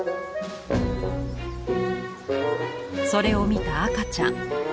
それを見た赤ちゃん。